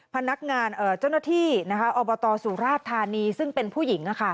พนักงานเจ้าหน้าที่อบตสุราชธานีซึ่งเป็นผู้หญิง